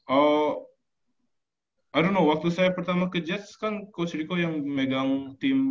oh i don t know waktu saya pertama ke jets kan coach rico yang megang tim